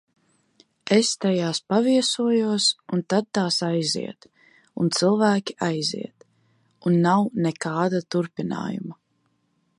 Es tajās paviesojos, un tad tās aiziet. Un cilvēki aiziet. Un nav nekāda turpinājuma.